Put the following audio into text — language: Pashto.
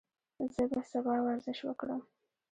زه به سبا ورزش وکړم.